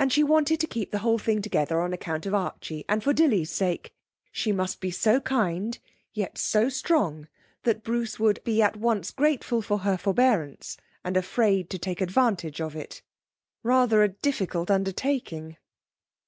And she wanted to keep the whole thing together on account of Archie, and for Dilly's sake. She must be so kind, yet so strong that Bruce would be at once grateful for her forbearance and afraid to take advantage of it. Rather a difficult undertaking!...